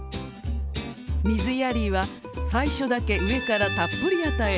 水やりは最初だけ上からたっぷり与え